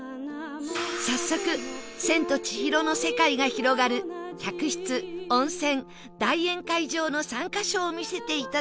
早速『千と千尋』の世界が広がる客室温泉大宴会場の３カ所を見せて頂きます